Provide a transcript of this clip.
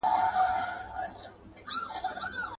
ما په ژوند کي ښه کار نه دی کړی جانه.